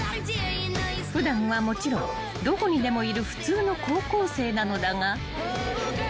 ［普段はもちろんどこにでもいる普通の高校生なのだが］